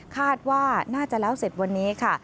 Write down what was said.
คาดว่าน่าจะแล้วเสร็จวันนี้ค่ะ